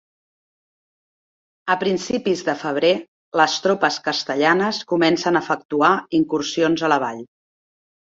A principis de febrer, les tropes castellanes comencen a efectuar incursions a la vall.